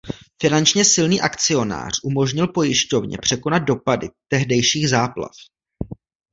Finančně silný akcionář umožnil pojišťovně překonat dopady tehdejších záplav.